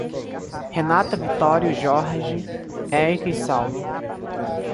Renata, Vitório, George, Érica e Saulo